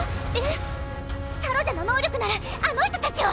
サロジャの能力ならあの人たちを！